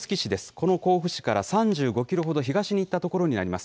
この甲府市から３５キロほど東に行った所にあります。